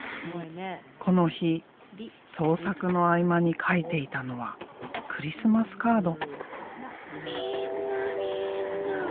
この日創作の合間に書いていたのはクリスマスカード。